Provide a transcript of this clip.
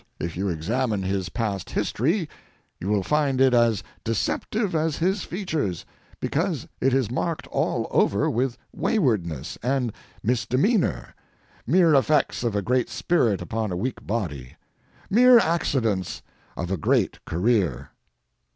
If you examine his past history you will find it as deceptive as his features, because it is marked all over with waywardness and misdemeanor—mere effects of a great spirit upon a weak body—mere accidents of a great career.